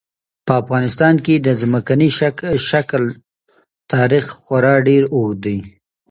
په افغانستان کې د ځمکني شکل تاریخ خورا ډېر اوږد دی.